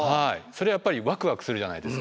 それはやっぱりワクワクするじゃないですか。